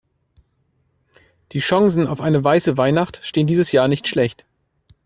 Die Chancen auf eine weiße Weihnacht stehen dieses Jahr nicht schlecht.